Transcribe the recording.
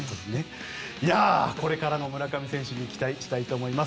いやあ、これからの村上選手に期待したいと思います。